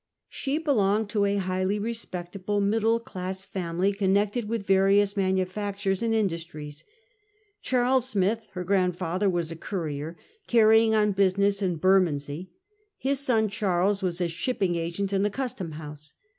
She belonged to a highly respectable middle class family, connected with vai*io\is manufactures and industries. Charles Smith, her giund father, was a currier, carrying on business in Bermondsey. His son Charles was a shipping agent in the Custom House.